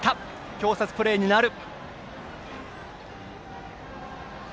挟殺プレーになる。